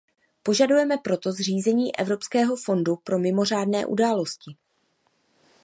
Požadujeme proto zřízení Evropského fondu pro mimořádné události.